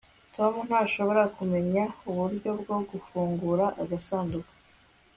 tom ntashobora kumenya uburyo bwo gufungura agasanduku